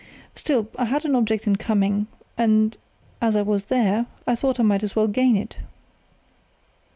Still, I had an object in coming, and as I was there I thought I might as well gain it."